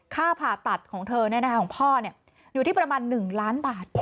ค่าผ่าตัดของเธอแน่ของพ่อเนี่ยอยู่ที่ประมาณหนึ่งล้านบาท